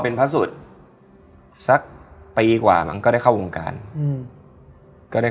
มันจะมี